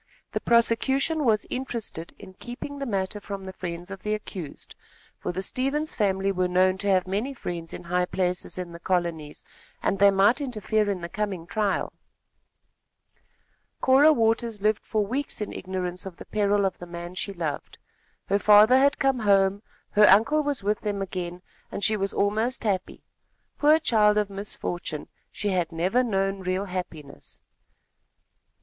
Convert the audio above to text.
The prosecution was interested in keeping the matter from the friends of the accused, for the Stevens family were known to have many friends in high places in the colonies, and they might interfere in the coming trial. Cora Waters lived for weeks in ignorance of the peril of the man she loved. Her father had come home, her uncle was with them again, and she was almost happy. Poor child of misfortune, she had never known real happiness.